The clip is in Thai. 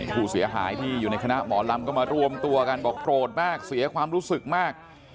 ผู้เสียหายที่อยู่ในคณะหมอลำก็มารวมตัวกันบอกโกรธมากเสียความรู้สึกมาก